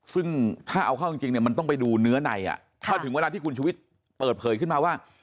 ซึ่งถ้าเอาเข้าจริงเนี่ยมันต้องไปดูเนื้อในถ้าถึงเวลาที่คุณชุวิตเปิดเผยขึ้นมาว่า